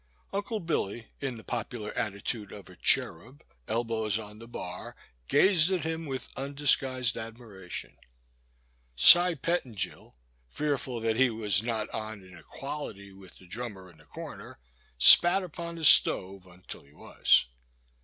Unde Billy, in the popular atti tude of a cherub, elbows on the bar, gazed at him with undisguised admiration. Cy Pettingil, fear ful that he was not on an equality with the drum mer in the comer, spat upon the stove tmtil he was.